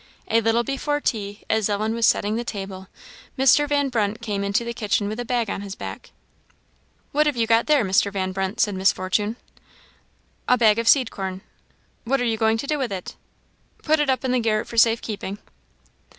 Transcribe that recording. A little before tea, as Ellen was setting the table, Mr. Van Brunt came into the kitchen with a bag on his back. "What have you got there, Mr. Van Brunt?" said Miss Fortune. "A bag of seed corn." "What are you going to do with it?" "Put it up in the garret for safe keeping."